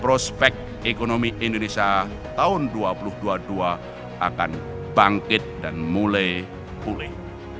prospek ekonomi indonesia tahun dua ribu dua puluh dua akan bangkit dan mulai pulih